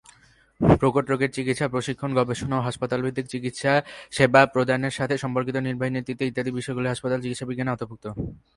প্রকট রোগীর চিকিৎসা, প্রশিক্ষণ, গবেষণা ও হাসপাতাল-ভিত্তিক চিকিৎসাসেবা প্রদানের সাথে সম্পর্কিত নির্বাহী নেতৃত্ব, ইত্যাদি বিষয়গুলি হাসপাতাল চিকিৎসাবিজ্ঞানের আওতাভুক্ত।